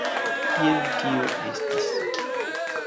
Tiel tio estis.